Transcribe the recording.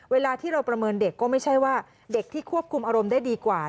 เวลาที่เราประเมินเด็กก็ไม่ใช่ว่าเด็กที่ควบคุมอารมณ์ได้ดีกว่า